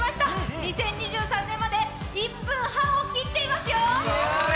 ２０２３年まで１分半を切っていますよ！